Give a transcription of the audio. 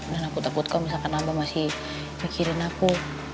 dan aku takut kalau misalkan abah masih mikirin aku